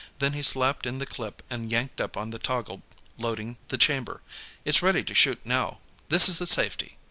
Then he slapped in the clip and yanked up on the toggle loading the chamber. "It's ready to shoot, now; this is the safety."